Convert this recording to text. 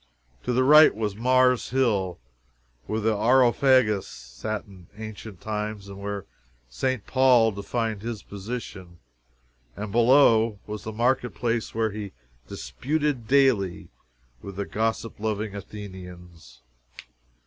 To the right was Mars Hill, where the Areopagus sat in ancient times and where St. Paul defined his position, and below was the market place where he "disputed daily" with the gossip loving Athenians.